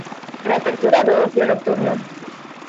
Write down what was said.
Reapertura do ocio nocturno.